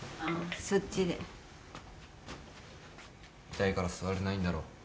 痛いから座れないんだろ。